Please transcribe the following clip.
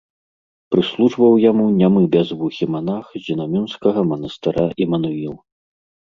Прыслужваў яму нямы бязвухі манах з Дзінамюндскага манастыра Імануіл.